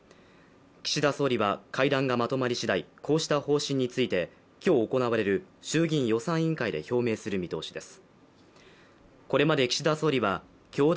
岸田総理は会談がまとまりしだいこうした方針について今日行われる衆議院予算委員会で表明する見通しです。